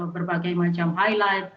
berbagai macam highlight